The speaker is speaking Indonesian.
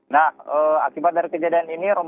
nah akibat dari kejadian ini